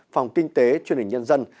phòng kinh tế truyền hình nhân dân